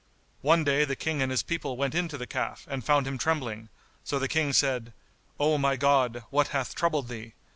One day the King and his people went in to the calf and found him trembling; so the King said, "O my God, what hath troubled thee?"